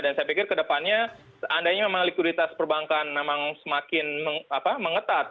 dan saya pikir ke depannya andainya memang likuiditas perbankan memang semakin mengetat